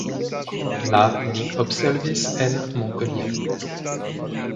La li observis en Montpellier.